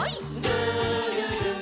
「るるる」